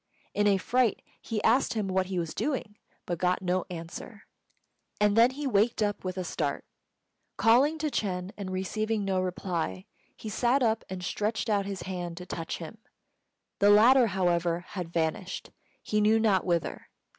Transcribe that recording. In a fright he asked him what he was doing, but got no answer; and then he waked up with a start. Calling to Ch'êng and receiving no reply, he sat up and stretched out his hand to touch him. The latter, however, had vanished, he knew not whither.